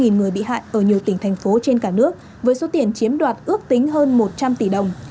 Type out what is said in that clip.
một người bị hại ở nhiều tỉnh thành phố trên cả nước với số tiền chiếm đoạt ước tính hơn một trăm linh tỷ đồng